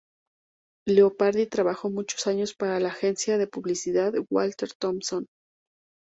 Leopardi trabajó muchos años para la agencia de publicidad Walter Thompson.